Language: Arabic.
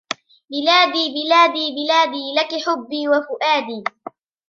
بلادي بلادي بلادي لكِ حبي وفؤادي